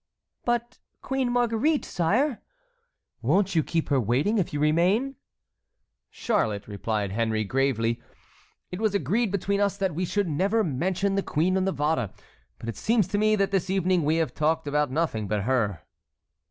"But Queen Marguerite, sire! won't you keep her waiting if you remain?" "Charlotte," replied Henry, gravely, "it was agreed between us that we should never mention the Queen of Navarre, but it seems to me that this evening we have talked about nothing but her."